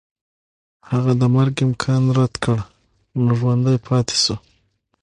هغه د مرګ امکان رد کړ نو ژوندی پاتې شو.